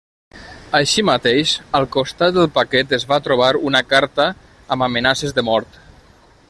Així mateix, al costat del paquet es va trobar una carta amb amenaces de mort.